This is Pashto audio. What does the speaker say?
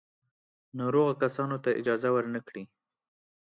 ناروغو کسانو ته اجازه ور نه کړي.